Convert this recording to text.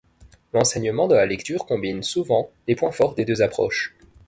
L'enseignement de la lecture combine souvent les points forts des deux approches.